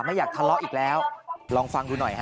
ไม่อยากทะเลาะอีกแล้วลองฟังดูหน่อยฮะ